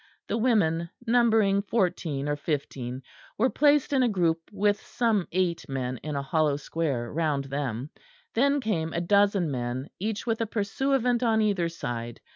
The women, numbering fourteen or fifteen, were placed in a group with some eight men in hollow square round them; then came a dozen men, each with a pursuivant on either side.